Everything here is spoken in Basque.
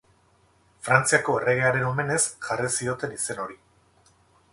Frantziako erregearen omenez jarri zioten izen hori.